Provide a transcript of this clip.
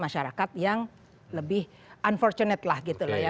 masyarakat yang lebih unfortunate lah gitu loh ya